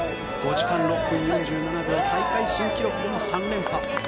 ５時間６分４７秒大会新記録での３連覇。